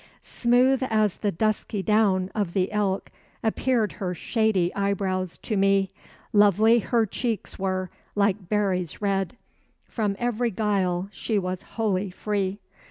Smooth as the dusky down of the elk Appeared her shady eyebrows to me; Lovely her cheeks were, like berries red; From every guile she was wholly free.